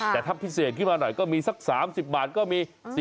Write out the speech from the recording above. แต่ถ้าพิเศษขึ้นมาหน่อยก็มีสัก๓๐บาทก็มี